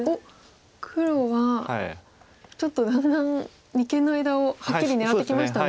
黒はちょっとだんだん二間の間をはっきり狙ってきましたね。